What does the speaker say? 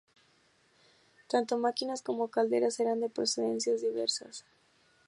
Tanto máquinas como calderas eran de procedencias diversas.